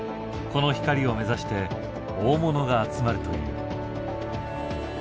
この光を目指して大物が集まるという。